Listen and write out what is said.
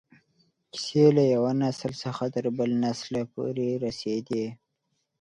کیسې له یو نسل څخه تر بل نسله پورې رسېدې.